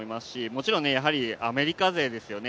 もちろんアメリカ勢ですよね